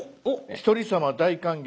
「一人様大歓迎！